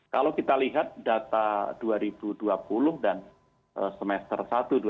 kalau kita lihat data dua ribu dua puluh dan semester satu dua ribu dua puluh